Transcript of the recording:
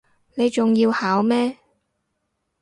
你仲要考咩